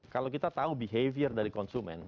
kalau kita tahu behavior dari konsumen